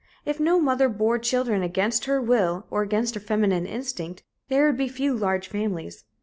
If no mother bore children against her will or against her feminine instinct, there would be few large families.